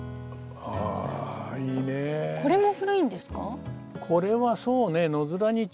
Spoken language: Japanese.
これも古いんですか。